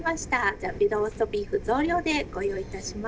じゃあ、ローストビーフ増量でご用意いたします。